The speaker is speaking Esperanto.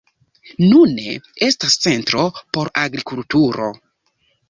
Nune estas centro por agrikulturo.